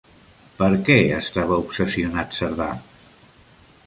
Per què estava obsessionat Cerdà?